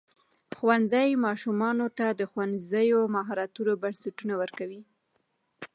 ښوونځی ماشومانو ته د ښوونیزو مهارتونو بنسټونه ورکوي.